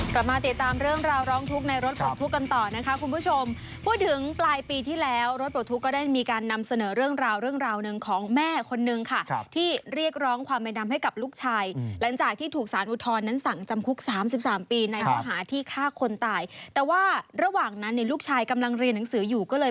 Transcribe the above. กลับมาติดตามเรื่องราวร้องทุกข์ในรถปลดทุกข์กันต่อนะคะคุณผู้ชมพูดถึงปลายปีที่แล้วรถปลดทุกข์ก็ได้มีการนำเสนอเรื่องราวเรื่องราวหนึ่งของแม่คนนึงค่ะที่เรียกร้องความเป็นธรรมให้กับลูกชายหลังจากที่ถูกสารอุทธรณ์นั้นสั่งจำคุก๓๓ปีในข้อหาที่ฆ่าคนตายแต่ว่าระหว่างนั้นเนี่ยลูกชายกำลังเรียนหนังสืออยู่ก็เลย